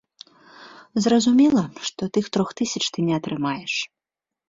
Зразумела, што тых трох тысяч ты не атрымаеш.